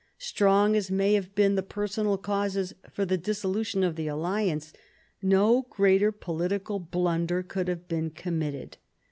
Strong as may have been the personal causes for the dissolution of the alliance, no greater political blunder could have been committed.